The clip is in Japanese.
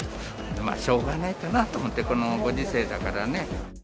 まあしょうがないかなって思って、このご時世だからね。